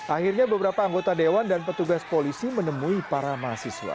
akhirnya beberapa anggota dewan dan petugas polisi menemui para mahasiswa